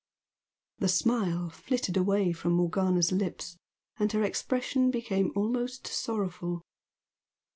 The smile flitted away from Morgana's lips, and her expression became almost sorrowful.